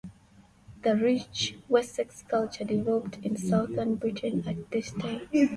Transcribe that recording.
The rich Wessex culture developed in southern Britain at this time.